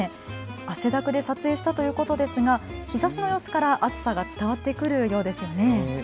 汗だくで撮影したということですが日ざしの様子から暑さが伝わってくるようですよね。